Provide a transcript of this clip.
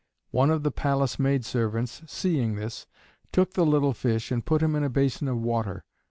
One of the palace maid servants, seeing this, took the little fish and put him in a basin of water.